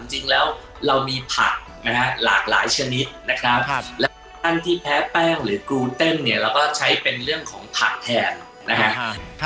จริงแล้วเรามีผักนะฮะหลากหลายชนิดนะครับและอันที่แพ้แป้งหรือกรูเต้นเนี่ยเราก็ใช้เป็นเรื่องของผักแทนนะฮะ